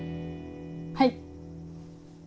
はい。